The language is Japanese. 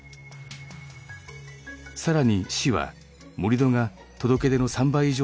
さらに市は盛り土が届け出の３倍以上の